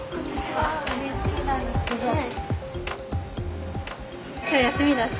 はい。